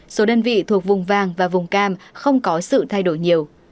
số đơn vị thuộc vùng vàng và vùng cam không có sự thay đổi nhiều